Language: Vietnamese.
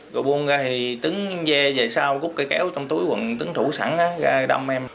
rồi buông ra thì tuấn dê về sau cút cây kéo trong túi quần tuấn thủ sẵn ra đâm em